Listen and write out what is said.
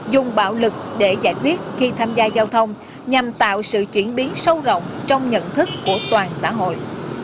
dùng bạo lực để giải quyết khi tham gia giao thông nhằm tạo sự chuyển biến sâu rộng trong nhận thức của toàn xã hội